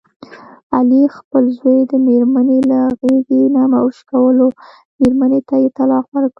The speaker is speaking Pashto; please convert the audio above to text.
علي خپل زوی د مېرمني له غېږې نه وشکولو، مېرمنې ته یې طلاق ورکړ.